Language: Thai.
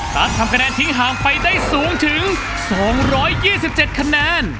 ทำคะแนนทิ้งห่างไปได้สูงถึง๒๒๗คะแนน